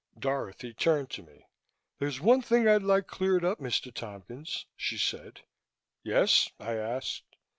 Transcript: Dorothy turned to me. "There's one thing I'd like cleared up, Mr. Tompkins," she said. "Yes?" I asked.